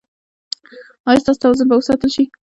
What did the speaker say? ایا ستاسو توازن به وساتل شي؟